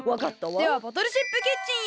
ではボトルシップキッチンへ！